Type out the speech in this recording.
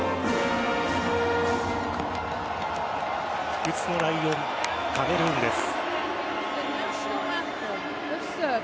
不屈のライオンカメルーンです。